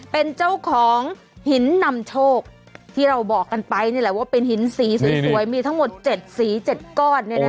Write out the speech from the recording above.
เป็นเจ้าของหินนำโชคที่เราบอกกันไปนี่แหละว่าเป็นหินสีสวยมีทั้งหมด๗สี๗ก้อน